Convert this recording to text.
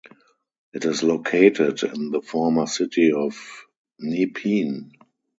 It is located in the former city of Nepean.